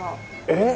えっ！？